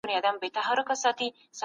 د افغانستان ولس د اتحاد مثال دی.